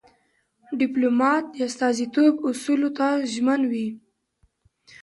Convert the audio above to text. ډيپلومات د استازیتوب اصولو ته ژمن وي.